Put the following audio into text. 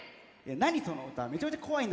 何その歌めちゃめちゃ怖いんだけど。